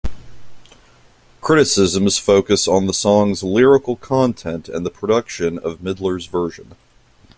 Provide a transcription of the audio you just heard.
Criticisms focus on the song's lyrical content and the production of Midler's version.